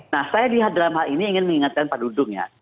nah saya lihat dalam hal ini ingin mengingatkan pak dudung ya